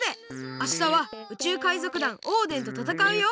あしたは宇宙海賊団オーデンとたたかうよ。